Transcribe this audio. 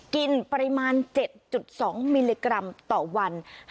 กินปริมาณ๗๒มิลลิกรัมต่อวัน